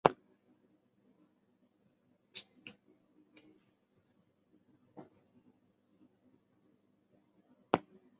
加里宁斯科耶市镇是俄罗斯联邦沃洛格达州托季马区所属的一个市镇。